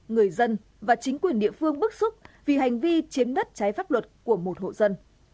người dân và chính quyền địa phương bức xúc vì hành vi chiếm đất trái pháp luật của một hộ dân